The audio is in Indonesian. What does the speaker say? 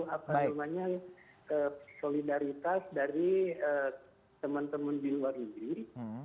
apa namanya solidaritas dari teman teman di luar negeri